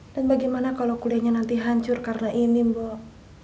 dan bagaimana kalau kudanya nanti hancur karena ini mbok